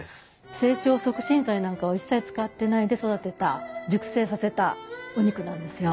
成長促進剤なんかを一切使ってないで育てた熟成させたお肉なんですよ。